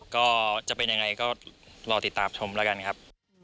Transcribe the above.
ก็จะเป็นยังไงก็รอติดตามชมแล้วกันครับ